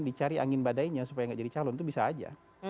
dicari angin badainya supaya nggak jadi calon itu bisa aja